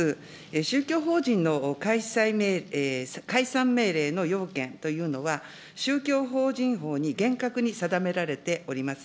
宗教法人の解散命令の要件というのは、宗教法人法に厳格に定められております。